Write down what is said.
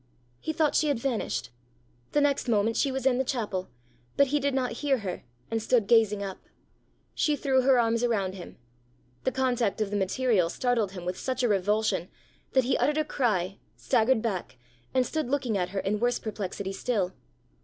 He thought she had vanished. The next moment she was in the chapel, but he did not hear her, and stood gazing up. She threw her arms around him. The contact of the material startled him with such a revulsion, that he uttered a cry, staggered back, and stood looking at her in worse perplexity still.